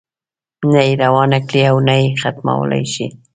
نه یې روانه کړې او نه یې ختمولای شي.